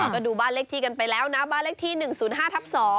ก็ดูบ้านเลขที่กันไปแล้วนะบ้านเลขที่๑๐๕ทับ๒